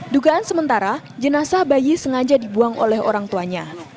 dugaan sementara jenazah bayi sengaja dibuang oleh orang tuanya